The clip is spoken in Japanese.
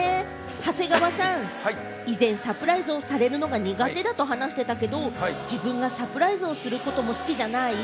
長谷川さん、以前サプライズをされるのが苦手だと話してたけれども、自分がサプライズをすることも好きじゃない？